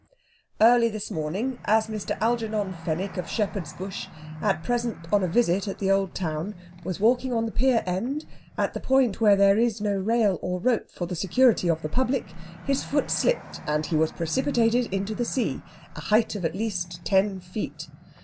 Early this morning, as Mr. Algernon Fenwick, of Shepherd's Bush, at present on a visit at the old town, was walking on the pier end, at the point where there is no rail or rope for the security of the public, his foot slipped, and he was precipitated into the sea, a height of at least ten feet.